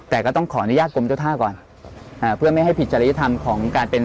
แต่ก็ต้องขออนุญาตกรมเจ้าท่าก่อนอ่าเพื่อไม่ให้ผิดจริยธรรมของการเป็น